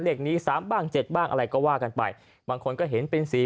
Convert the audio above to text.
เลขนี้๓บ้าง๗บ้างอะไรก็ว่ากันไปบางคนก็เห็นเป็นสี